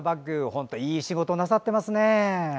本当にいい仕事なさっていますね。